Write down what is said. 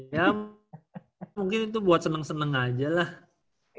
ya mungkin itu buat seneng seneng aja lah